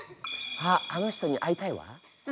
あっあの人に会いたいわ。